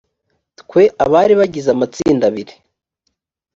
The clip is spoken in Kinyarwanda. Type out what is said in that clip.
twe abari bagize amatsinda abiri